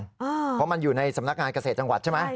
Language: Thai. เพราะมันอยู่ในสำนักงานเกษตรจังหวัดใช่ไหม